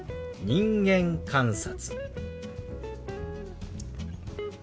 「人間観察」。